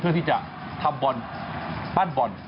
เพื่อที่จะทำบอลปั้นบอล